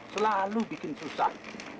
selalu bikin susah